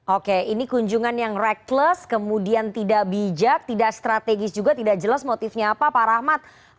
oke ini kunjungan yang reckless kemudian tidak bijak tidak strategis juga tidak jelas motifnya apa pak rahmat